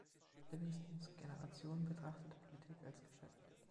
Livingstons Generation betrachtete Politik als Geschäft.